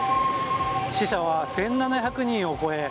死者は１７００人を超え